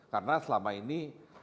karena selama ini